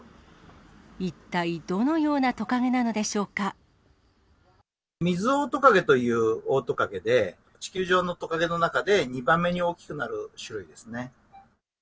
一体、ミズオオトカゲというオオトカゲで、地球上のトカゲの中で、２番目に大きくなる種類ですね。